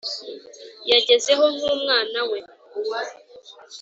yagezeho nkumwana we.